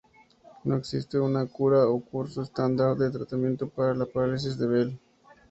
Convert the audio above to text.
No existe una cura o curso estándar de tratamiento para la parálisis de Bell.